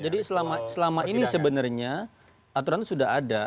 jadi selama ini sebenarnya aturan sudah ada